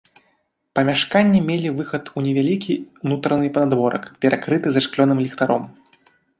Памяшканні мелі выхад у невялікі ўнутраны панадворак, перакрыты зашклёным ліхтаром.